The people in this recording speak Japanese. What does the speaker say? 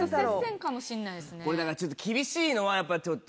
これだから厳しいのはやっぱちょっと。